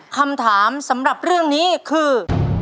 คำถามสำหรับเรื่องนี้คือ